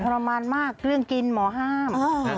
รมานมากเรื่องกินหมอห้าม